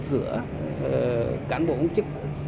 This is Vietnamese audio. giữa cán bộ công chức